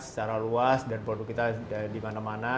secara luas dan produk kita di mana mana